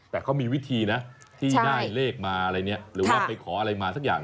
แต่เขามีวิธีนะที่ได้เลขมาอะไรเนี่ยหรือว่าไปขออะไรมาสักอย่าง